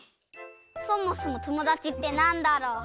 そもそもともだちってなんだろう？